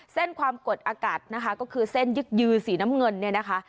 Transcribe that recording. ความกดอากาศนะคะก็คือเส้นยึกยือสีน้ำเงินเนี่ยนะคะ